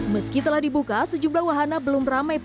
meski telah dibuka sejumlah wahana belum ramai